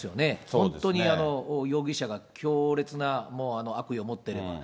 本当に容疑者が強烈な悪意を持っていれば。